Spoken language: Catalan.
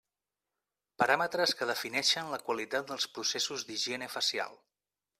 Paràmetres que defineixen la qualitat dels processos d'higiene facial.